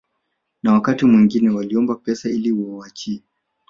na wakati mwingine waliwaomba pesa ili wawaachie